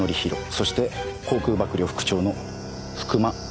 そして航空幕僚副長の福間知義。